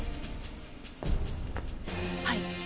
はい。